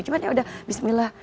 cuma yaudah bismillah